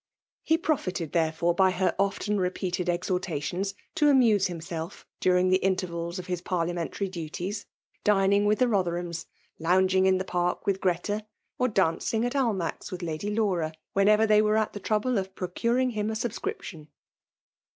> He profited, therefore^ by her often repeaAed exhortations^ to amuse himself during the inn ' tervals of his parliamentary duiie8> pdiiiiit^ with the Botherhams, lounging ifi fhe^'Park' with Greta, or dancing at Almack's witli La^* Laura, whenever they were at the treuUie^'of. procuring him a subscription.